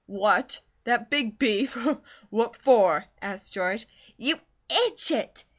"What? That big beef! What for?" asked George. "You idjit!